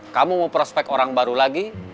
kamu mau prospek orang baru lagi